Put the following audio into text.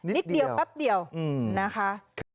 นิดเดียวแป๊บเดียวนะคะ